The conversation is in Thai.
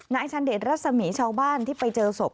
ชันเดชรัศมีชาวบ้านที่ไปเจอศพ